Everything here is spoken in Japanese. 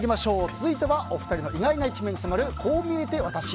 続いてはお二人の意外な一面に迫る、こう見えてワタシ。